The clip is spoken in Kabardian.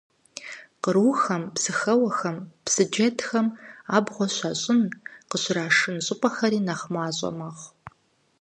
Кърухэм, псыхэуэхэм, псы джэдхэм абгъуэ щащӀын, къыщрашын щӀыпӀэхэри нэхъ мащӀэ мэхъу.